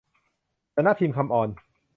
สำนักพิมพ์คัมออน